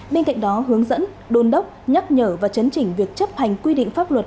bên cạnh đó hướng dẫn đôn đốc nhắc nhở và chấn chỉnh việc chấp hành quy định pháp luật